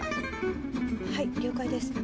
はい了解です。